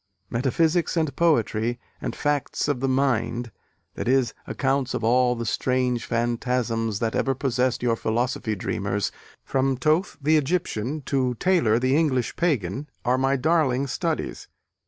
Metaphysics and poetry and 'facts of the mind' (i.e., accounts of all the strange phantasms that ever possessed your philosophy dreamers, from Thoth, the Egyptian, to Taylor, the English pagan) are my darling studies.